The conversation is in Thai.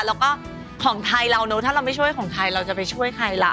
แล้วก็ของไทยเราเนอะถ้าเราไม่ช่วยของใครเราจะไปช่วยใครล่ะ